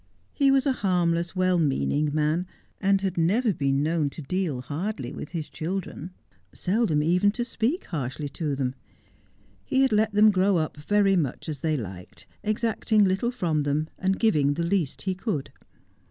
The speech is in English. He was a harmless, well meaning man, and had never been known to deal hardly with his children, seldom even to speak harshly to them. He had let them grow up very much as they liked, exacting little from them, and giving the least he could.